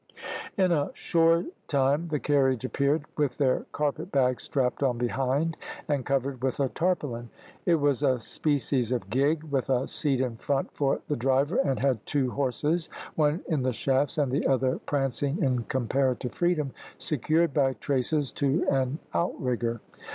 In a shore time the carriage appeared, with their carpet bags strapped on behind, and covered with a tarpaulin. It was a species of gig, with a seat in front for the driver, and had two horses, one in the shafts and the other prancing in comparative freedom, secured by traces to an outrigger.